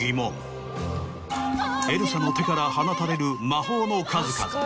エルサの手から放たれる魔法の数々。